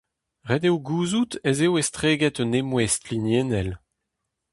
Ret eo gouzout ez eo estreget un emouestl hiniennel.